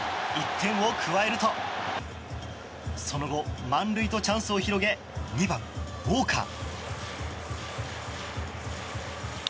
１点を加えるとその後、満塁とチャンスを広げ２番、ウォーカー。